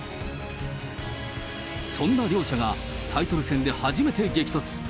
そんな両者がタイトル戦で初めて激突。